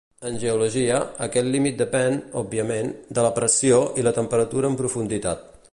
En geologia, aquest límit depèn, òbviament, de la pressió i la temperatura en profunditat.